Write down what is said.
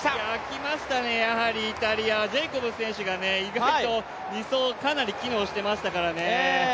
来ましたね、やはりイタリアジェイコブス選手が２走、かなり機能していましたからね。